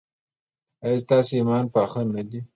ایا ستاسو ایمان پاخه نه دی؟